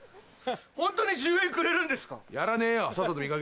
ホントに１０円くれるんですか？